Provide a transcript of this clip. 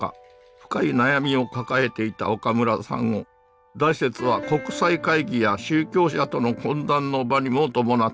深い悩みを抱えていた岡村さんを大拙は国際会議や宗教者との懇談の場にも伴っています。